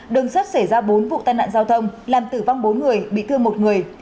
đường sắt xảy ra bốn vụ tai nạn giao thông làm tử vong bốn người bị thương một người